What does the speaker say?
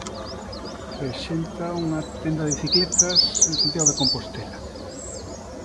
Rexenta unha tenda de bicicletas en Santiago de Compostela.